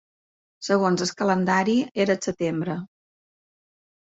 Segons el calendari, era setembre.